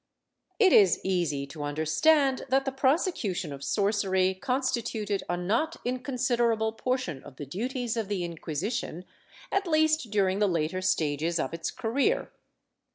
^ It is easy to understand that the prosecution of sorcery consti tuted a not inconsiderable portion of the duties of the Inquisition, at least during the later stages of its career.